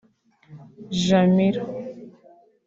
“Jamila”